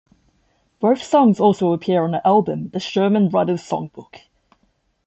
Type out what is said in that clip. Both songs also appear on the album "The Sherman Brothers Songbook".